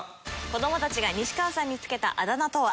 子どもたちが西川さんに付けたあだ名とは？